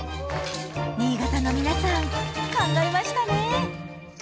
新潟の皆さん考えましたね。